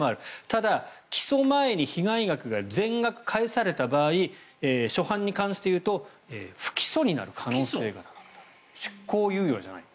ただ、起訴前に被害額が全額返された場合初犯に関して言うと不起訴になる可能性が高くなる。